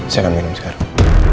saya akan minum sekarang